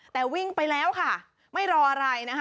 แต่วิ่งไปแล้วค่ะไม่รออะไรนะคะ